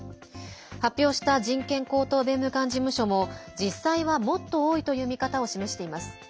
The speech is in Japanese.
発表した人権高等弁務官事務所も実際は、もっと多いという見方を示しています。